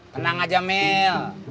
tenang aja mel